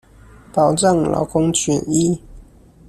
保障勞工權益